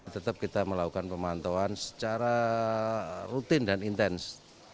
tetap kita melakukan pemantauan secara rutin dan intens